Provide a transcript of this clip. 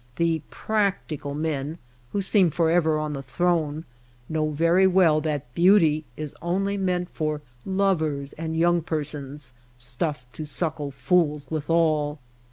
The *^ practical men/' who seem forever on the throne, know very well that beauty is only meant for lovers and young persons — stuff to suckle fools withal.